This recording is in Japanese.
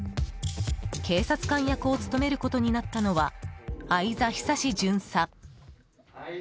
警察官役を務めることになったのは相座寿巡査。